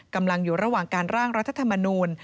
กำลังอยู่ระหว่างการร่างรัฐธรรมนูล